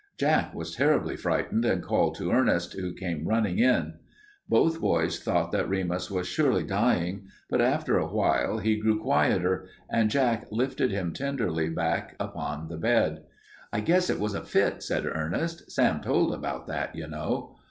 Jack was terribly frightened and called to Ernest, who came running in. Both boys thought that Remus was surely dying, but after a while he grew quieter and Jack lifted him tenderly back upon the bed. "I guess it was a fit," said Ernest. "Sam told about that, you know."